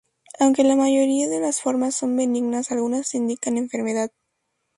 Aunque la mayoría de las formas son benignas, algunas indican enfermedad.